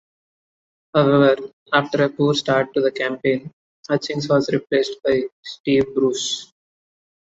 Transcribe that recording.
However, after a poor start to the campaign, Hutchings was replaced by Steve Bruce.